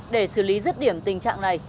để xử lý rứt điểm tình trạng này